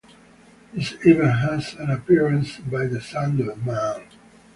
This event had an appearance by The Sandman.